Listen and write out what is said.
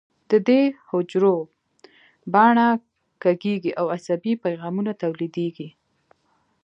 د دې حجرو باڼه کږېږي او عصبي پیغامونه تولیدېږي.